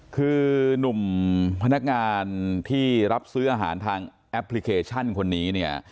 คือหนุ่มพนักงานที่รับซื้ออาหารทางแอปพลิเคชันคนนี้เนี่ย